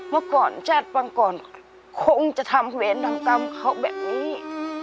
เมื่อก่อนชาติปังกก่อนคงจะทำกรรมเขาแบบนี้